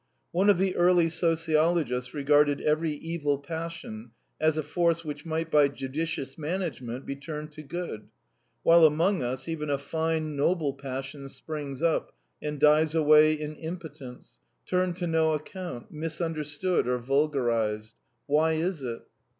One of the early sociologists regarded every evil passion as a force which might by judicious management be turned to good, while among us even a fine, noble passion springs up and dies away in impotence, turned to no account, misunderstood or vulgarised. Why is it?